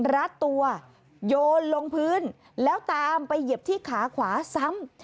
รัดตัวโยนลงพื้นแล้วตามไปเหยียบที่ขาขวาซ้ำ